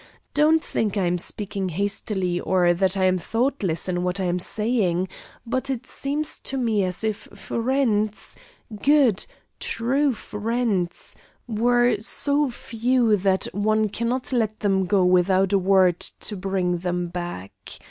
Don't think I am speaking hastily or that I am thoughtless in what I am saying, but it seems to me as if friends good, true friends were so few that one cannot let them go without a word to bring them back.